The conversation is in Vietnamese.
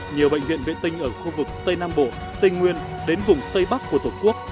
nhiều bệnh viện vệ tinh ở khu vực tây nam bộ tây nguyên đến vùng tây bắc của tổ quốc